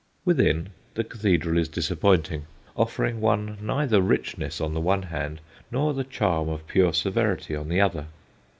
Within, the cathedral is disappointing, offering one neither richness on the one hand nor the charm of pure severity on the other.